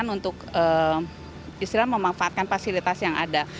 untuk istilahnya memanfaatkan fasilitas yang ada